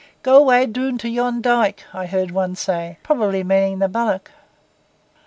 'Go 'way doon to yon dyke,' I heard one say, probably meaning the bulwark.